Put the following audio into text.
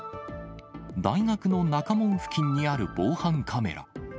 大学の中門付近にある防犯カメラ。